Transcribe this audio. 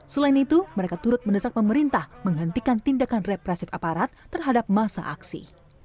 selain itu mereka turut mendesak pemerintah menghentikan tindakan represif aparat terhadap masa aksi